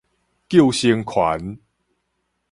救生環